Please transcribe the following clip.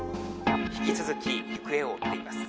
「引き続き行方を追っています」。